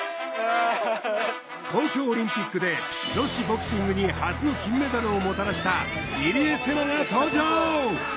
東京オリンピックで女子ボクシングに初の金メダルをもたらした入江聖奈が登場！